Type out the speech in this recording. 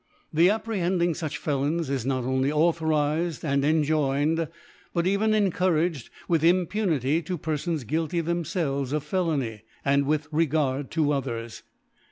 The ap prehending fuch Felons is not only autho* nzed and enjoined, but even encouraged^ with Impunity to Perfons guilty themfelveav of Felony, and with Reward to others.